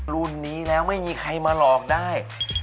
รุ่นนี้แล้วไม่มีใครมาหลอกได้